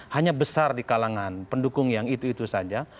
hanya besar di kalangan pendukung yang itu itu saja